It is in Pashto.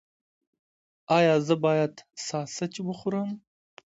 ایا زه باید ساسج وخورم؟